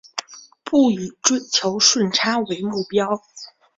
不以追求顺差为目标